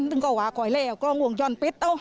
ถึงก็ว่าก็เลยกล้องกวงจรปิด